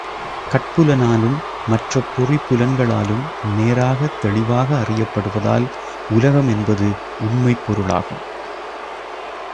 Cut புலனாலும் மற்ற பொறி புலன்களாலும் நேராக தெளிவாக அறியப்படுவதால், உலகம் என்பது உண்மைப் பொருளாகும்.